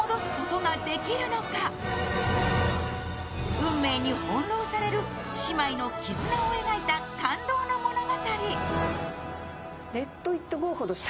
運命に翻弄される姉妹の絆を描いた感動の物語。